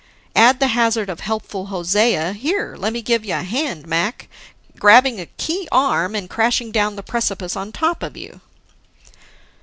Add the hazard of Helpful Hosea: "Here, lemme giveya hand, Mac!", grabbing the key arm, and crashing down the precipice on top of you.